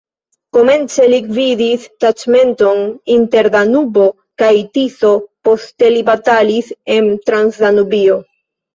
Komence li gvidis taĉmenton inter Danubo kaj Tiso, poste li batalis en Transdanubio.